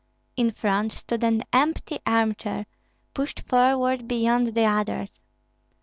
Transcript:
In front stood an empty arm chair, pushed forward beyond the others.